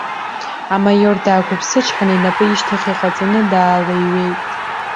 Амаиор даақәыԥсычҳан, инапы ишьҭахь иҟаҵаны даалеиҩеит.